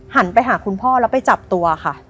หันไปหาคุณพ่อแล้วไปจับตัวค่ะ